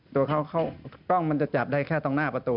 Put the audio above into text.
ตัวเขาเข้ากล้องจะจับได้แค่ต้องหน้าประตู